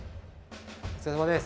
お疲れさまです！